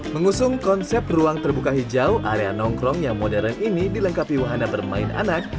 mengusung konsep ruang terbuka hijau area nongkrong yang modern ini dilengkapi wahana bermain anak